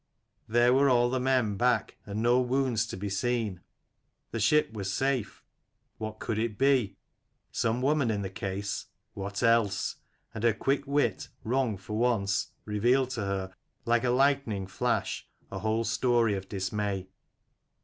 There were all the men back, and no wounds to be seen : the ship was safe: what could it be? Some woman in the case. What else? And her quick wit, wrong for once, revealed to her, like a lightning flash, a whole story of dismay.